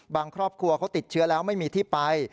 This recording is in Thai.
ครอบครัวเขาติดเชื้อแล้วไม่มีที่ไป